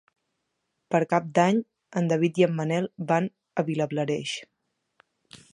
Per Cap d'Any en David i en Manel van a Vilablareix.